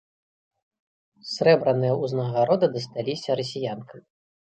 Срэбраныя ўзнагароды дасталіся расіянкам.